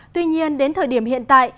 tuy nhiên đến thời điểm hiện tại